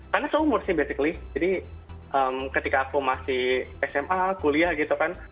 karena seumur sih basically jadi ketika aku masih sma kuliah gitu kan